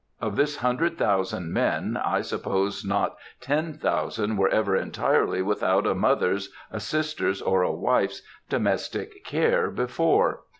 Of this hundred thousand men, I suppose not ten thousand were ever entirely without a mother's, a sister's, or a wife's domestic care before.